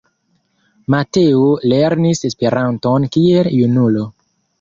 Mateo lernis Esperanton kiel junulo.